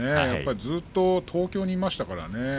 ずっと東京にいましたからね。